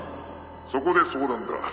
そこで相談だ。